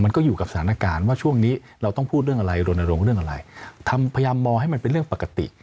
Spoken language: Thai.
อยู่กับสถานการณ์ว่าช่วงนี้เราต้องพูดเรื่องอะไรรณรงค์เรื่องอะไรทำพยายามมองให้มันเป็นเรื่องปกติ